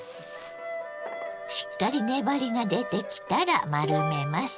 しっかり粘りが出てきたら丸めます。